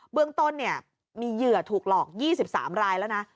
เรื่องต้นมีเหยื่อถูกหลอก๒๓รายแล้วนะ